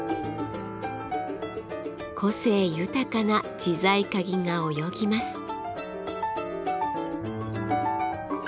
個性豊かな自在鉤が泳ぎます。